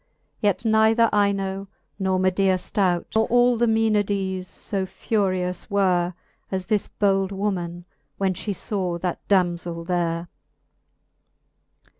Yet neither Ino, nor Medea flout, Nor all the Mcenades fb furious were, As this bold woman, when fhe faw that damzell there.